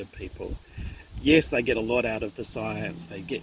mereka bisa melihat hal hal yang benar